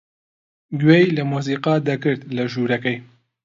گوێی لە مۆسیقا دەگرت لە ژوورەکەی.